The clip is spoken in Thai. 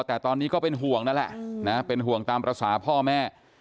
แต่ตอนนี้ก็เป็นห่วงนั่นแหละนะเป็นห่วงตามภาษาพ่อแม่